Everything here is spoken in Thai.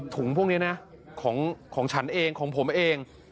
พวกนี้นะของฉันเองของผมเอง